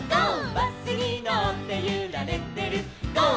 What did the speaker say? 「バスにのってゆられてるゴー！